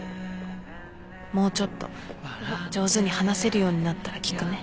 もうちょっと上手に話せるようになったら聞くね